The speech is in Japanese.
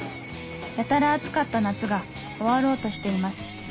やたら暑かった夏が終わろうとしています